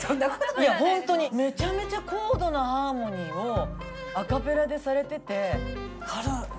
いや本当にめちゃめちゃ高度なハーモニーをアカペラでされてて。